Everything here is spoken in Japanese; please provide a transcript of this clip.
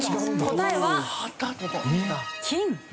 答えは金。